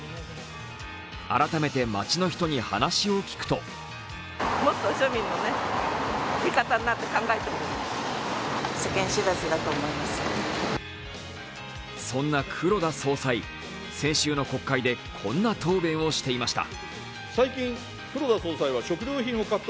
改めて街の人に話を聞くとそんな黒田総裁、先週の国会でこんな答弁をしていました。